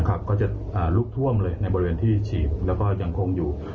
ก็จะลุกท่วมเลยในบริเวณที่ฉีดแล้วก็ยังคงอยู่